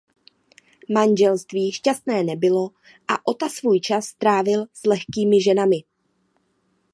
Manželství šťastné nebylo a Ota svůj čas trávil s lehkými ženami.